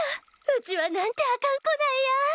うちはなんてあかん子なんや！